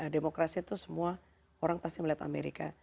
demokrasi itu semua orang pasti melihat amerika